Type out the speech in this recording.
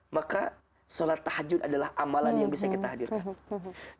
maka sholat tahajud adalah amalan yang bisa kita hadirkan